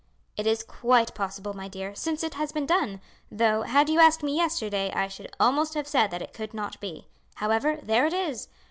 "It is quite possible, my dear, since it has been done, though, had you asked me yesterday, I should almost have said that it could not be; however, there it is.